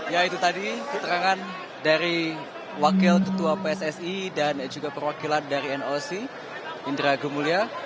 ya itu tadi keterangan dari wakil ketua pssi dan juga perwakilan dari noc indra gumulya